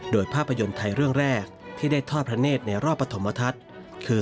โดยภาพยนตร์ไทยเรื่องแรกที่ได้ทอดพระเนตภาพยนตร์ในรอบปฐมธัตรคือ